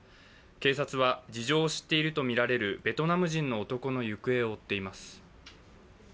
警察は、事情を知っているとみられるベトナム人の男の行方を追っています。